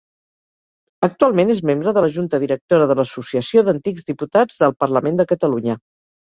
Actualment és membre de la junta directora de l'Associació d'Antics Diputats del Parlament de Catalunya.